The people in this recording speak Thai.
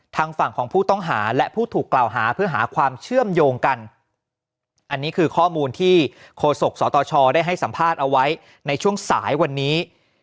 ทางฝั่งของผู้ต้องหาและผู้ถูกกล่าวหาเพื่อหาความเชื่อมโยงกันอันนี้คือข้อมูลที่โฆษกสตชได้ให้สัมภาษณ์เอาไว้ในช่วงสายวันนี้